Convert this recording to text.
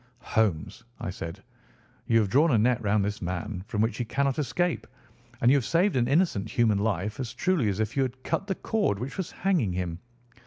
"Holmes," I said, "you have drawn a net round this man from which he cannot escape, and you have saved an innocent human life as truly as if you had cut the cord which was hanging him.